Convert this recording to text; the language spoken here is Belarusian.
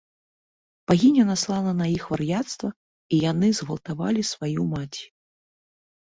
Багіня наслала на іх вар'яцтва, і яны згвалтавалі сваю маці.